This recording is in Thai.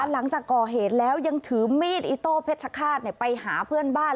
หลังจากก่อเหตุแล้วยังถือมีดอิโต้เพชรฆาตไปหาเพื่อนบ้าน